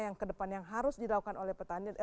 yang kedepan yang harus dilakukan oleh petani